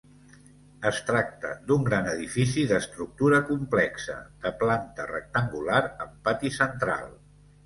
Es tracta d'un gran edifici d'estructura complexa, de planta rectangular amb pati central.